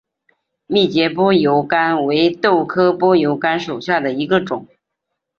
密节坡油甘为豆科坡油甘属下的一个种。